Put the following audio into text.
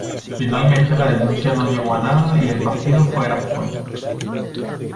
Finalmente la denuncia no llegó a nada y el partido fue absuelto.